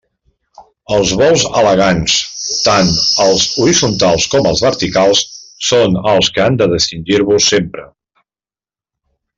Els vols elegants, tant els horitzontals com els verticals, són els que han de distingir-vos sempre.